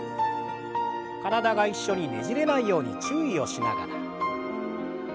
体が一緒にねじれないように注意をしながら。